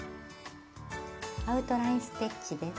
「アウトライン・ステッチ」です。